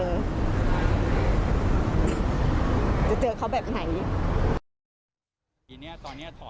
จะเจอเขาแบบไหน